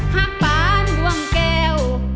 หักปานดวงแก้ว